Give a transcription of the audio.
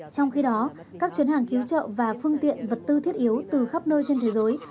trong khi đó các chuyến hàng cứu trợ và phương tiện vật tư thiết yếu từ khắp nơi trên thế giới